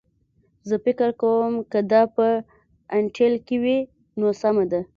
زه فکر کوم که دا په انټیل کې وي نو سمه ده